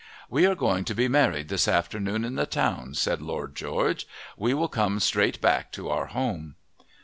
"We are going to be married this afternoon, in the town," said Lord George. "We will come straight back to our home."